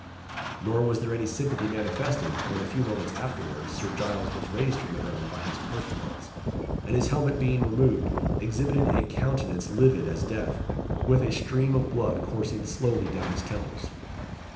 Nor was there any sympathy manifested, when a few moments afterwards Sir Giles was raised from the ground by the pursuivants, and his helmet being removed, exhibited a countenance livid as death, with a stream of blood coursing slowly down the temples.